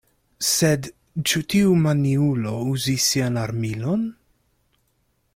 Sed ĉu tiu maniulo uzis sian armilon?